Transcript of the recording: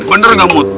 bener gak mut